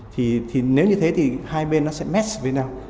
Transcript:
thì nếu như thế thì hai bên nó sẽ mes với nhau